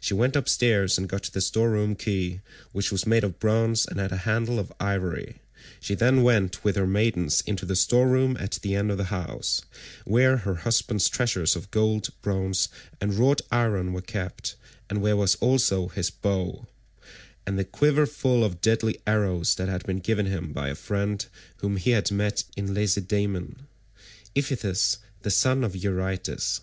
She went upstairs and got the store room key, which was made of bronze and had a handle of ivory; she then went with her maidens into the store room at the end of the house, where her husband's treasures of gold, bronze, and wrought iron were kept, and where was also his bow, and the quiver full of deadly arrows that had been given him by a friend whom he had met in Lacedaemon—Iphitus the son of Eurytus.